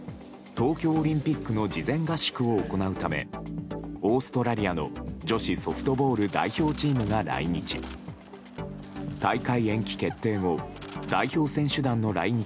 東京オリンピックの事前合宿を行うためオーストラリアの女子ソフトボール代表チームが来日。